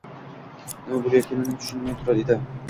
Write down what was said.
nima bo‘layotganini tushunmay turar edi.